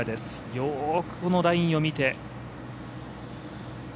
よーく、このラインを見て。